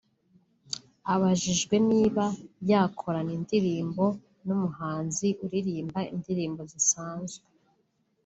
Abajijwe niba yakorana indirimbo n'umuhanzi uririmba indirimbo zisanzwe